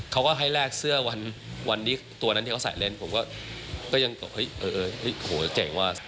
เขาก็ให้แรกเสื้อวันตัวนั้นที่เขาใส่เล่นผมก็ยังโอ้โหเก่งว่า